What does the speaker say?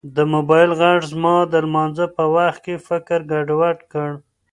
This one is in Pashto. د موبایل غږ زما د لمانځه په وخت کې فکر ګډوډ کړ.